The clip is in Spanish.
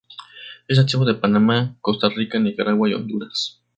Es nativo de Panamá, Costa Rica, Nicaragua, y Honduras.